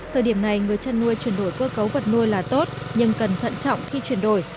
thời điểm này người chăn nuôi chuyển đổi cơ cấu vật nuôi là tốt nhưng cần thận trọng khi chuyển đổi